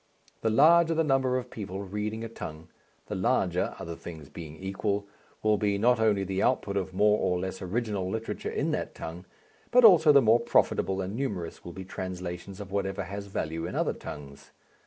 The larger the number of people reading a tongue, the larger other things being equal will be not only the output of more or less original literature in that tongue, but also the more profitable and numerous will be translations of whatever has value in other tongues.